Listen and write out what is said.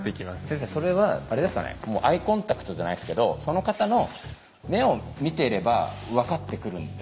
先生それはあれですかねもうアイコンタクトじゃないですけどその方の目を見てれば分かってくるんですかね？